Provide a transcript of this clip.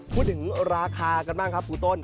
พูดถึงราคากันบ้างครับครูต้น